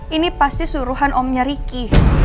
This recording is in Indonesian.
ini pasti suruhan omnya ricky